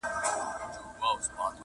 چي هره چېغه پورته کم پاتېږي پر ګرېوان!!..